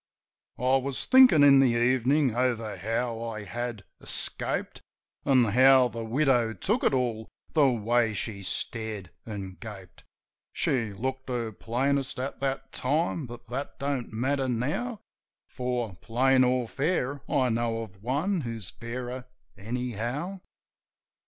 I was thinkin' in the evenin' over how I had escaped. An' how the widow took it all — the way she stared an' gaped. She looked her plainest at that time; but that don't matter now; For, plain or fair, I know of one who's fairer, anyhow.